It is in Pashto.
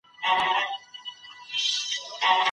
ولي مدام هڅاند د لوستي کس په پرتله ښه ځلېږي؟